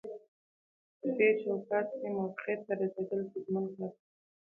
پدې چوکاټ کې موافقې ته رسیدل ستونزمن کار دی